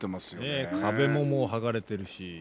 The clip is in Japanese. ねえ壁ももう剥がれてるし。